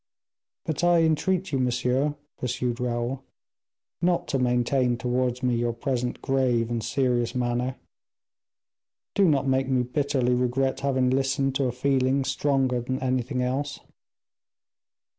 "But I entreat you, monsieur," pursued Raoul, "not to maintain towards me your present grave and serious manner. Do not make me bitterly regret having listened to a feeling stronger than anything else."